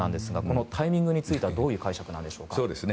このタイミングについてはどういう解釈なんでしょうか？